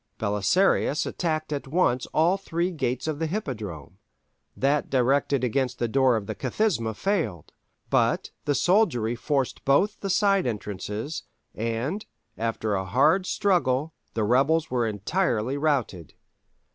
Belisarius attacked at once all three gates of the Hippodrome: that directed against the door of the Kathisma failed, but the soldiery forced both the side entrances, and after a hard struggle the rebels were entirely routed.